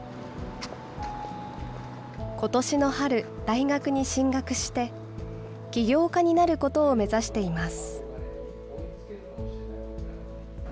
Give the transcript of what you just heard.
ことしの春、大学に進学して、企業家になることを目指しています。